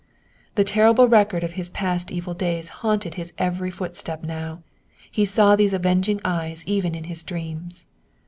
The terrible record of his past evil days haunted his every footstep now. He saw these avenging eyes even in his dreams.